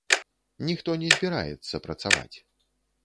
Ніхто не збіраецца працаваць.